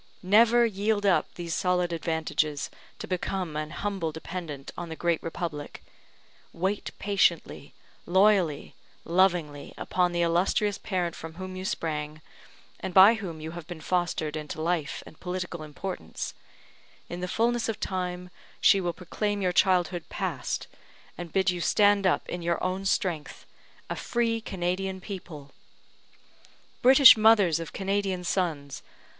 Never yield up these solid advantages to become an humble dependent on the great republic wait patiently, loyally, lovingly, upon the illustrious parent from whom you sprang, and by whom you have been fostered into life and political importance; in the fulness of time she will proclaim your childhood past, and bid you stand up in your own strength, a free Canadian people! British mothers of Canadian sons!